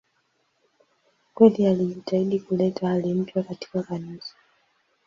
Kweli alijitahidi kuleta hali mpya katika Kanisa.